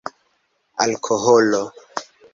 alkoholo